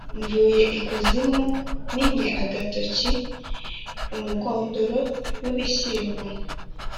Mvuye ikuzimu mpinnye agatoki-Umugondoro w'ibishyimbo.